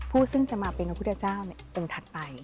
ซึ่งจะมาเป็นพระพุทธเจ้าองค์ถัดไป